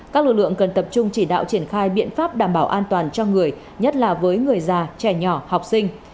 các lực lượng cần tập trung chỉ đạo triển khai biện pháp đảm bảo an toàn cho người nhất là với người già trẻ nhỏ học sinh